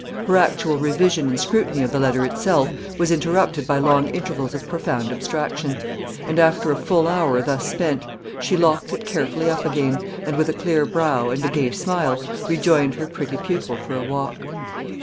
Her actual revision and scrutiny of the letter itself was interrupted by long intervals of profound abstraction; and, after a full hour thus spent, she locked it carefully up again, and with a clear brow, and a gay smile, rejoined her pretty pupil for a walk.